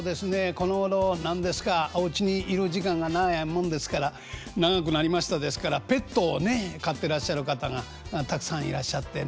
このごろ何ですかおうちにいる時間が長いもんですから長くなりましたですからペットをね飼ってらっしゃる方がたくさんいらっしゃってね。